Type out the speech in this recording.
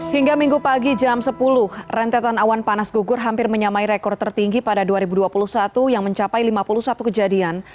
hingga minggu pagi jam sepuluh rentetan awan panas gugur hampir menyamai rekor tertinggi pada dua ribu dua puluh satu yang mencapai lima puluh satu kejadian